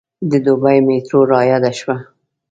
د دبۍ میټرو رایاده شوه.